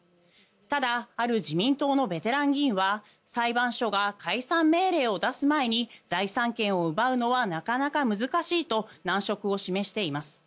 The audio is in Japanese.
ただある自民党のベテラン議員は裁判所が解散命令を出す前に財産権を奪うのはなかなか難しいと難色を示しています。